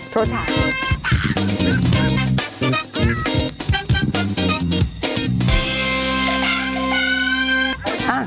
โทษค่ะ